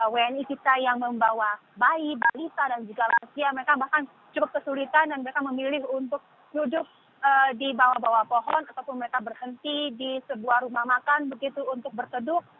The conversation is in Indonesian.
wni kita yang membawa bayi balita dan juga lansia mereka bahkan cukup kesulitan dan mereka memilih untuk duduk di bawah bawah pohon ataupun mereka berhenti di sebuah rumah makan begitu untuk berteduh